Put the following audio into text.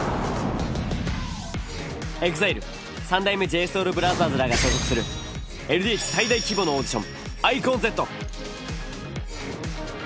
ＥＸＩＬＥ三代目ＪＳＯＵＬＢＲＯＴＨＥＲＳらが所属するＬＤＨ最大規模のオーディション。